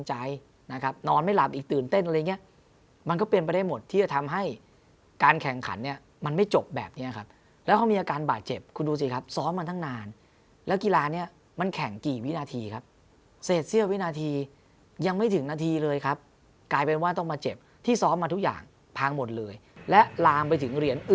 ใจนะครับนอนไม่หลับอีกตื่นเต้นอะไรอย่างเงี้ยมันก็เป็นไปได้หมดที่จะทำให้การแข่งขันเนี่ยมันไม่จบแบบเนี้ยครับแล้วเขามีอาการบาดเจ็บคุณดูสิครับซ้อมมาตั้งนานแล้วกีฬาเนี้ยมันแข่งกี่วินาทีครับเสร็จเสี้ยววินาทียังไม่ถึงนาทีเลยครับกลายเป็นว่าต้องมาเจ็บที่ซ้อมมาทุกอย่างพังหมดเลยและลามไปถึงเหรียญ